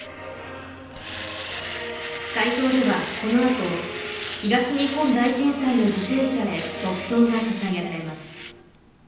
会場ではこのあと東日本大震災の犠牲者へ黙とうがささげられます。